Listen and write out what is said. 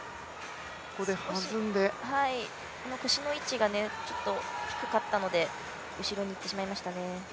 少し腰の位置が低かったので後ろにいってしまいましたね。